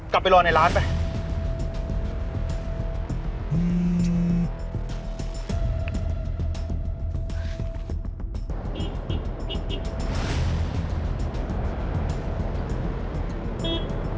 กลับไปรอในร้านไป